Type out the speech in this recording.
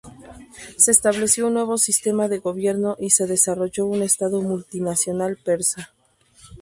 Se estableció un nuevo sistema de gobierno y se desarrolló un estado multinacional persa.